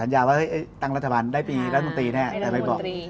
ว่าตังค์รัฐบาลได้เลยรัฐหมนตรี